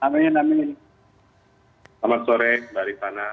selamat sore dari sana